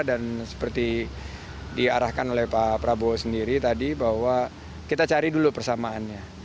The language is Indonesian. dan seperti diarahkan oleh pak prabowo sendiri tadi bahwa kita cari dulu persamaannya